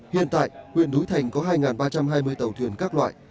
hiện tại huyện núi thành có hai ba trăm hai mươi tàu thuyền các loại